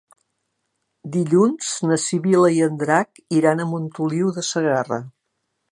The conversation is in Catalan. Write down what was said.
Dilluns na Sibil·la i en Drac iran a Montoliu de Segarra.